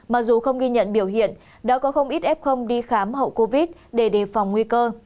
mặc dù không ghi nhận biểu hiện đã có không ít f đi khám hậu covid để đề phòng nguy cơ